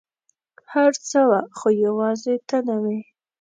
هر څه وه ، خو یوازي ته نه وې !